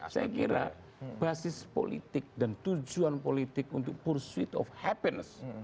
saya kira basis politik dan tujuan politik untuk pur sweet of happiness